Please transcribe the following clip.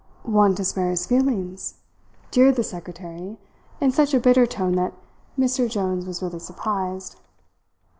"Want to spare his feelings?" jeered the secretary in such a bitter tone that Mr. Jones was really surprised.